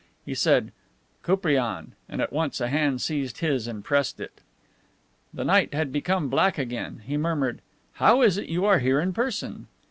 He said "Koupriane," and at once a hand seized his and pressed it. The night had become black again. He murmured: "How is it you are here in person?"